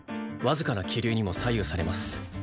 わずかな気流にも左右されます。